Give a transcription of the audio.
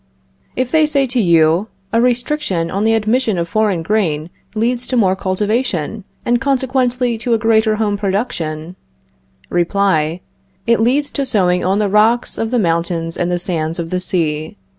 If they say to you: A restriction on the admission of foreign grain leads to more cultivation, and, consequently, to a greater home production Reply: It leads to sowing on the rocks of the mountains and the sands of the sea.